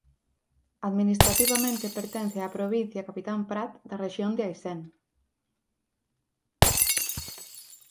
Administrativamente pertence á provincia Capitán Prat da Rexión de Aisén.